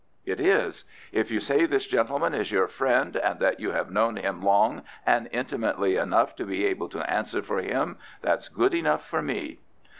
"It is. If you say this gentleman is your friend, and that you have known him long and intimately enough to be able to answer for him, that's good enough for me."